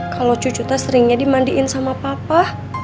kalau cucu itu seringnya dimandiin sama papa